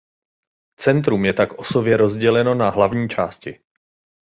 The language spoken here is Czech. Centrum je tak osově rozděleno na hlavní části.